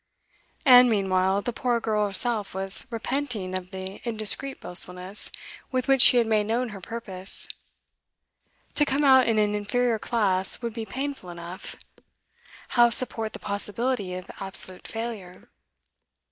And, meanwhile, the poor girl herself was repenting of the indiscreet boastfulness with which she had made known her purpose. To come out in an inferior class would be painful enough; how support the possibility of absolute failure?